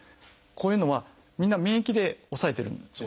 こういうのはみんな免疫で抑えてるんですよね。